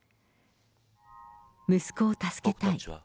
息子を助けたい。